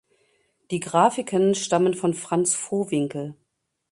Die Grafiken stammen von Franz Vohwinkel.